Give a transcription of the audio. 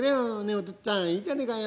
お父っつぁんいいじゃねえかよ。